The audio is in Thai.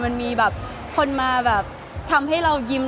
คือบอกเลยว่าเป็นครั้งแรกในชีวิตจิ๊บนะ